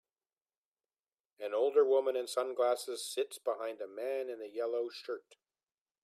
An older woman in sunglasses sits behind a man in a yellow shirt